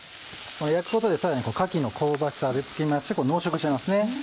焼くことでさらにかきの香ばしさがつきますし濃縮しますね。